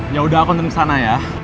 yaudah aku ntarin kesana ya